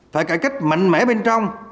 phải cải cách mạnh mẽ bên trong